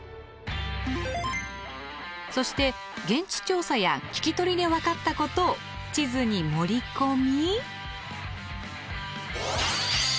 そして現地調査や聞き取りで分かったことを地図に盛り込み。